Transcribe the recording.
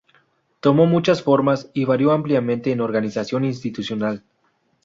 Tomó muchas formas y varió ampliamente en organización institucional.